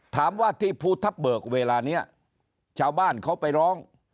ถามว่าที่ภูทับเบิกเวลานี้ชาวบ้านเขาไปร้อง